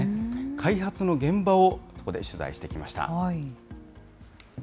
開発の現場をそこで取材してきました。